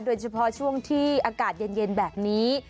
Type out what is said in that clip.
โดยเฉพาะช่วงที่อากาศเย็นแบบนี้